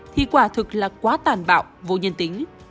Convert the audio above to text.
thì quả thực là quá tàn bạo vô nhân tính